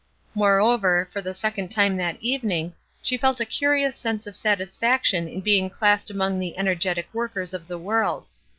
Moreover, for the second time that evening, she felt a curious sense of satisfaction in being classed among the energetic workers of the world.